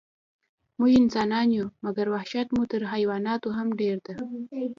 موږ انسانان یو، مګر وحشت مو تر حیواناتو هم ډېر ده.